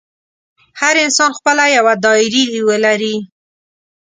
هر انسان خپله یوه ډایري ولري.